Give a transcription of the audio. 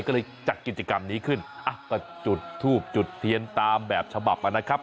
ก็เลยจัดกิจกรรมนี้ขึ้นก็จุดทูบจุดเทียนตามแบบฉบับนะครับ